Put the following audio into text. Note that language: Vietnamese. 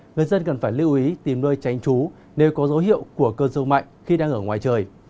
người dân cần phải lưu ý tìm nơi tránh trú nếu có dấu hiệu của cơn rông mạnh khi đang ở ngoài trời